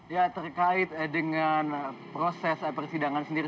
ya terkait dengan proses persidangan sendiri